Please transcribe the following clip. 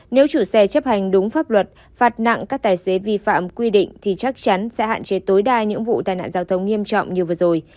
nếu chủ xe chấp hành đúng pháp luật phạt nặng các tài xế vi phạm quy định thì chắc chắn sẽ hạn chế tối đa những vụ tai nạn giao thông nghiêm trọng như vừa rồi